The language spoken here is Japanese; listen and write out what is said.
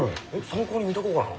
参考に見とこうかな。